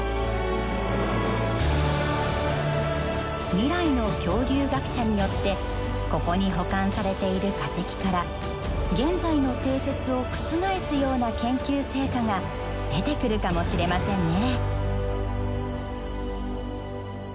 未来の恐竜学者によってここに保管されている化石から現在の定説を覆すような研究成果が出てくるかもしれませんね。